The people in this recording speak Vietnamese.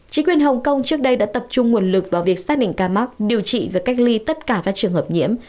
chính quyền hồng kông trước đây đã tập trung nguồn lực vào việc xác định ca mắc điều trị và cách ly tất cả các trường hợp nhiễm